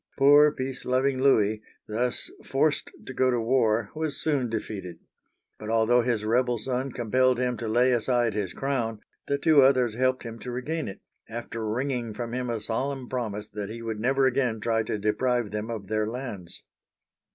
Poor peace loving Louis, thus forced to go to war, was soon defeated ; but although his rebel son compelled him to lay aside his crown, the two others helped him to regain . it, after wringing from him a solemn promise that he would never again try to deprive them of their lands.